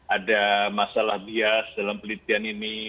ada masalah bias dalam penelitian ini